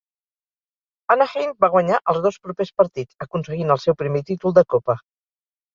Anaheim va guanyar els dos propers partits, aconseguint el seu primer títol de Copa.